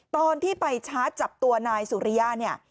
ตอนที่ไปชาร์จจับตัวนายสุริยะเนี่ย